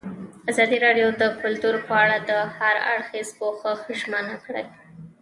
ازادي راډیو د کلتور په اړه د هر اړخیز پوښښ ژمنه کړې.